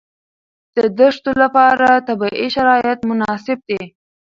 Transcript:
د دښتو لپاره طبیعي شرایط مناسب دي.